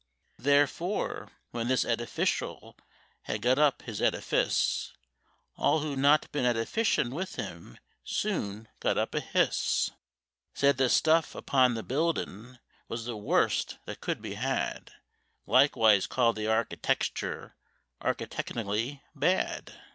Therefore when this edificial had got up his edifice, All who'd not been edifishing with him soon got up a hiss; Said the stuff upon the buildin' was the worst that could be had, Likewise called the architexture architechnically bad.